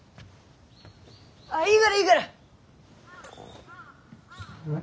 ああいいがらいいがら。